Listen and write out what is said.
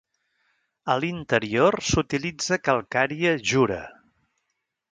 A l"interior s"utilitza calcària Jura.